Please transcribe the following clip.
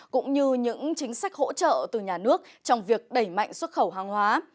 cũng như những chính sách hỗ trợ từ nhà nước trong việc đẩy mạnh xuất khẩu hàng hóa